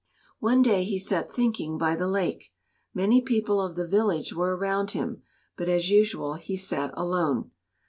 One day he sat thinking by the lake. Many people of the village were around him, but as usual he sat alone.